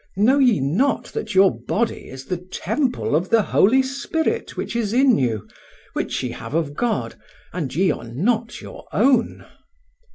know ye not that your body is the temple of the Holy Spirit which is in you, which ye have of God, and ye are not your own?"